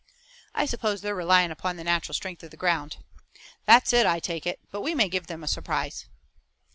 "I suppose they're relying upon the natural strength of the ground." "That's it, I take it, but we may give them a surprise."